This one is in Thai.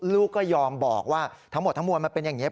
ลูกก็ยอมบอกว่าทั้งหมดทั้งมวลมันเป็นอย่างนี้